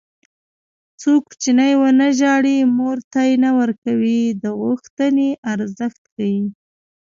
څو کوچنی ونه ژاړي مور تی نه ورکوي د غوښتنې ارزښت ښيي